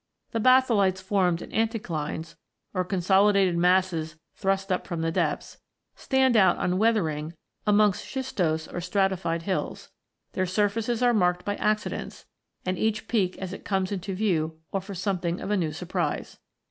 The batholites formed in anticlines, or consolidated masses thrust up from the depths, stand out on weathering among schistose vi] METAMORPHIG ROCKS 143 or stratified hills. Their surfaces are marked by accidents, and each peak as it comes into view offers something of a new surprise.